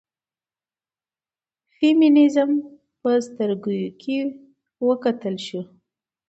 د فيمنيزم په سترګيو کې وکتل شو